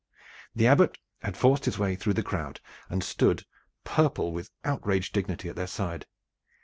The Abbot had forced his way through the crowd and stood, purple with outraged dignity, at their side.